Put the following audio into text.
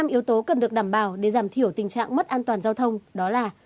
năm yếu tố cần được đảm bảo để giảm thiểu tình trạng mất an toàn giao thông đó là